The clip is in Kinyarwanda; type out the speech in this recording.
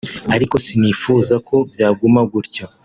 ariko sinifuza ko byaguma gutyo